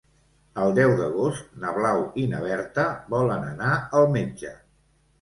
El deu d'agost na Blau i na Berta volen anar al metge.